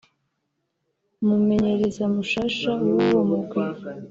umumenyereza mushasha w'uwo mugwi